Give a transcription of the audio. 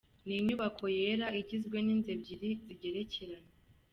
Ni inyubako yera igizwe n’inzu ebyiri zigerekeranye.